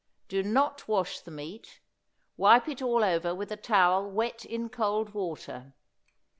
Do not wash the meat; wipe it all over with a towel wet in cold water.